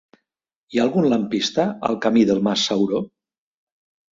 Hi ha algun lampista al camí del Mas Sauró?